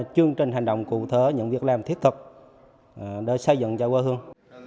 chương trình hành động cụ thể những việc làm thiết thực để xây dựng cho quê hương